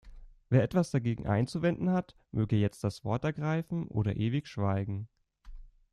Wer etwas dagegen einzuwenden hat, möge jetzt das Wort ergreifen oder ewig schweigen.